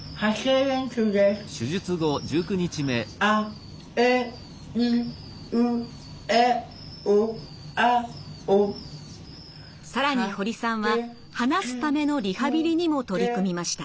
更に堀さんは話すためのリハビリにも取り組みました。